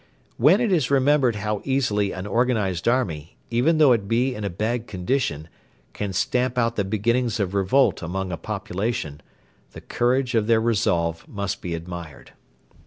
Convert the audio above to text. When it is remembered how easily an organised army, even though it be in a bad condition, can stamp out the beginnings of revolt among a population, the courage of their resolve must be admired.